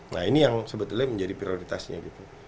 nah ini yang sebetulnya menjadi prioritasnya gitu